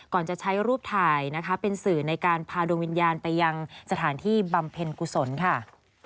จะใช้รูปถ่ายนะคะเป็นสื่อในการพาดวงวิญญาณไปยังสถานที่บำเพ็ญกุศลค่ะ